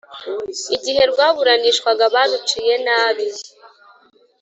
igihe rwaburanishwaga baruciye nabi.